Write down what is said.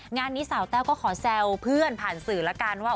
งานนี้สาวแต้วก็ขอแซวเพื่อนผ่านสื่อแล้วกันว่า